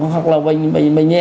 hoặc là bệnh nhẹ